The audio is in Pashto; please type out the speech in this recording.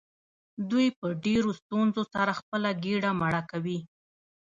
دوی په ډیرو ستونزو سره خپله ګیډه مړه کوي.